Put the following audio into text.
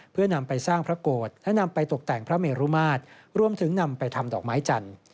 เพื่อนำไปสร้างพระโกรธและนำไปตกแต่งพระเมรุมาตรรวมถึงนำไปทำดอกไม้จันทร์